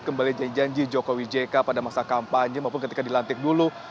kembali janji janji jokowi jk pada masa kampanye maupun ketika dilantik dulu